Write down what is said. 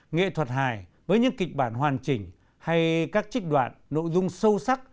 nghệ thuật hài với những kịch bản hoàn chỉnh hay các trích đoạn nội dung sâu sắc